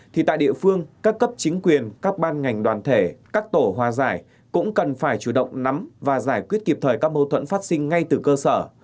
thì tại địa phương các cấp chính quyền các ban ngành đoàn thể các tổ hòa giải cũng cần phải chủ động nắm và giải quyết kịp thời các mâu thuẫn phát sinh ngay từ cơ sở